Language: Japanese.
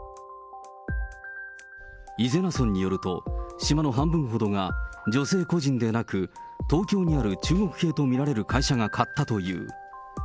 伊是名村によると、島の半分ほどが女性個人でなく、東京にある中国系と見られる会社が買ったという。